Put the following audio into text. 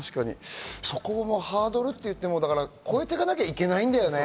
ハードルといっても越えていかなきゃいけないんだよね。